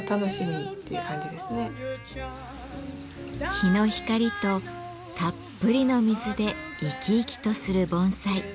日の光とたっぷりの水で生き生きとする盆栽。